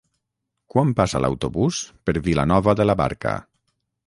Quan passa l'autobús per Vilanova de la Barca?